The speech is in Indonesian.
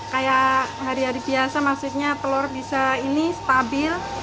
kayak hari hari biasa maksudnya telur bisa ini stabil